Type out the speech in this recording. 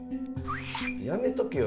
やめとけよ